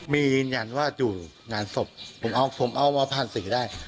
มีอินยันว่าอยู่งานศพผมเอามาภาพศิษย์ได้